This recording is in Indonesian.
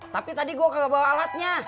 tapi tadi gue kagak bawa alatnya